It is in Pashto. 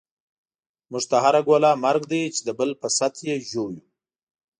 موږ ته هره ګوله مرګ دی، چی دبل په ست یی ژوویو